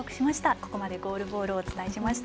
ここまでゴールボールをお伝えしました。